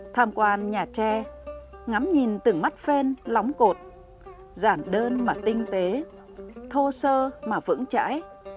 tham quan nhà tre ngắm nhìn từng mắt phen lóng cột giản đơn mà tinh tế thô sơ mà vững chãi